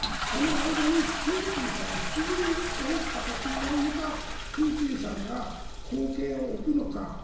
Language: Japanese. その間にプーチンさんを引きずり下ろす形になるのかプーチンさんが後継を置くのか。